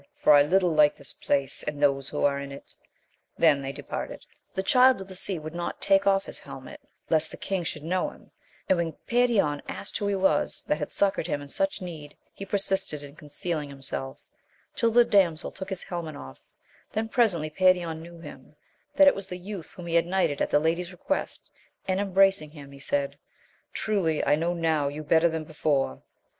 for I little like this place, and those who are in it. They then departed. * Que faze dia\A\miA. AMADI8 OF GAUL. 39 The Child of the Sea would not take o£f his helmet, lest the king should know him, and when Perion asked who he was that had succoured him in such need, he persisted in concealing himself, till the damsel took his helmet off, then presently Perion knew him, that it was the youth whom he had knighted at the ladies' request, and embracing him he said, Truly I now know you better than before.